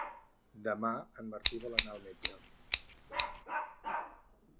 Demà en Martí vol anar al metge.